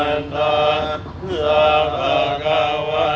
อธินาธาเวระมะนิสิขาปะทังสมาธิยามี